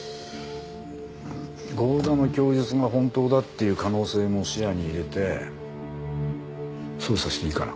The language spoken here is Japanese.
剛田の供述が本当だっていう可能性も視野に入れて捜査していいかな？